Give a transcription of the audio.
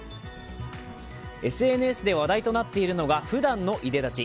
ＳＮＳで話題となっているのがふだんのいでたち。